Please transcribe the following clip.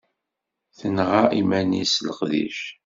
Tenɣa iman-is s leqdic.